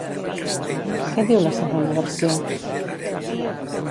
Què diu la segona versió?